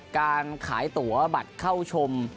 การขายตัวบัตรเข้าชม